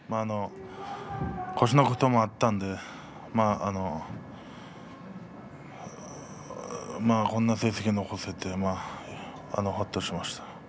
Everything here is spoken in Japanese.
腰のこともあったのでこんな成績が残せてほっとしました。